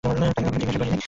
তাঁকে কখনো জিজ্ঞেস করি নি।